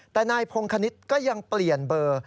แต่นายพงคณิตก็ยังเปลี่ยนเบอร์